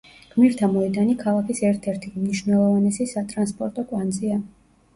გმირთა მოედანი ქალაქის ერთ-ერთი უმნიშვნელოვანესი სატრანსპორტო კვანძია.